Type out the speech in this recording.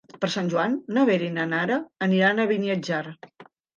Per Sant Jordi na Vera i na Nara aniran a Beniatjar.